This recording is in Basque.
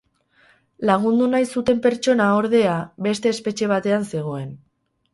Lagundu nahi zuten pertsona, ordea, beste espetxe batean zegoen.